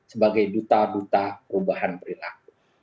sebagai duta duta perubahan perilaku